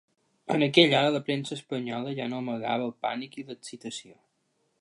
En aquella hora la premsa espanyola ja no amagava el pànic i l’excitació.